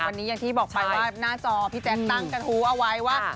วันนี้อย่างที่บอกไปว่าหน้าจอพี่แจ๊คตั้งกระทู้เอาไว้ว่า